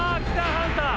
ハンター。